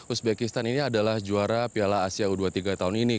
uzbekistan ini adalah juara piala asia u dua puluh tiga tahun ini